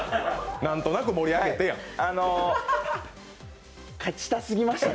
何となく盛り上げてよ。